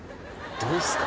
どうっすか？